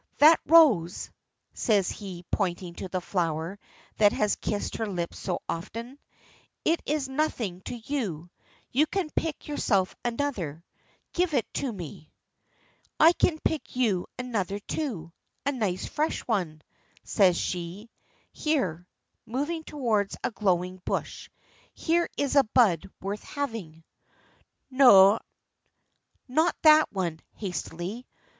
"That rose," says he, pointing to the flower that had kissed her lips so often. "It is nothing to you, you can pick yourself another, give it to me." "I can pick you another too, a nice fresh one," says she. "Here," moving towards a glowing bush; "here is a bud worth having." "Not that one," hastily.